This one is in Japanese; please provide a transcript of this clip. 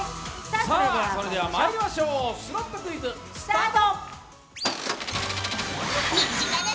それではまいりましょう、「スロットクイズ」スタート！